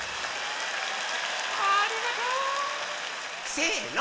せの！